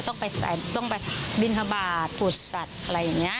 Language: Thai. ต้องไปสายต้องไปบิณฑบาตผุดสัตว์อะไรอย่างนี้